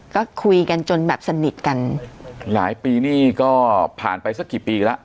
ก็คุยกันจนแบบสนิทกันหลายปีนี่ก็ผ่านไปสักกี่ปีแล้ว